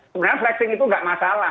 sebenarnya flexing itu nggak masalah